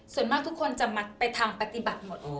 ส่วนมากทุกคนจะมัดไปทางปฏิบัติหมด